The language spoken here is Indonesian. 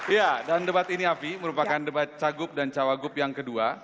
ya dan debat ini afi merupakan debat cagub dan cawagub yang kedua